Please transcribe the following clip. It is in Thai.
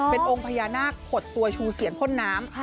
เป็นองค์พญานาคขดตัวชูเสียงพ่นน้ำ